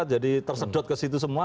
jadi tersedot ke situ semua